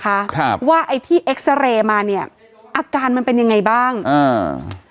ครับว่าไอ้ที่เอ็กซาเรย์มาเนี้ยอาการมันเป็นยังไงบ้างอ่า